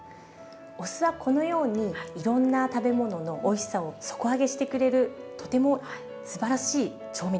お酢はこのようにいろんな食べ物のおいしさを底上げしてくれるとてもすばらしい調味料なんです。